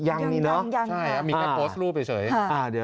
ยังนี่เนอะใช่มีแค่โพสต์รูปเฉยค่ะยังค่ะ